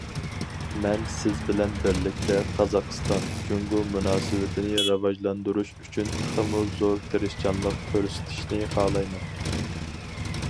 مەن سىز بىلەن بىرلىكتە، قازاقىستان- جۇڭگو مۇناسىۋىتىنى راۋاجلاندۇرۇش ئۈچۈن تېخىمۇ زور تىرىشچانلىق كۆرسىتىشنى خالايمەن.